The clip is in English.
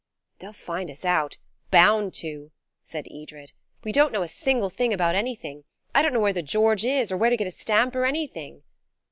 "They'll find us out–bound to," said Edred; "we don't know a single thing about anything. I don't know where the 'George' is, or where to get a stamp, or anything."